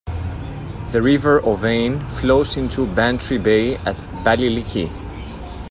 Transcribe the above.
The River Ovane flows into Bantry Bay at Ballylickey.